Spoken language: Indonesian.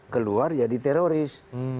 keluar jadi teroris